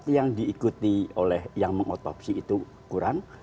yang diikuti oleh yang mengotopsi itu kurang